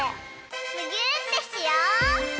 むぎゅーってしよう！